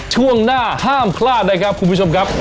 ช่วงหน้าห้ามพลาดนะครับคุณผู้ชมครับ